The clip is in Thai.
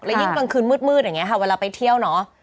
ยิ่งกลางคืนมืดอย่างนี้ค่ะเวลาไปเที่ยวเนอะ